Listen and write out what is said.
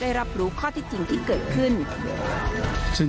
ได้รับรู้ข้อที่จริงที่เกิดขึ้น